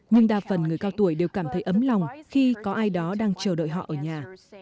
nhưng đa phần người cao tuổi đều cảm thấy ấm lòng khi có ai đó đang chờ đợi họ ở nhà